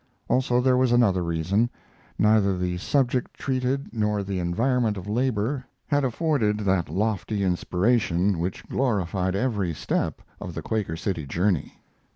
Also there was another reason; neither the subject treated nor the environment of labor had afforded that lofty inspiration which glorified every step of the Quaker City journey.